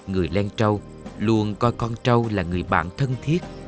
người lan trâu luôn coi con trâu là người bạn thân thiết